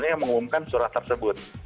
yang mengumumkan surat tersebut